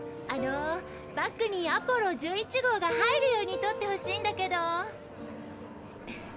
バックにアポロ１１号が入るようにとってほしいんだけど。